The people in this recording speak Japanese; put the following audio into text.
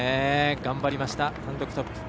頑張りました、単独トップ。